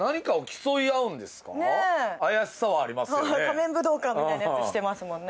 仮面舞踏会みたいなやつしてますもんね。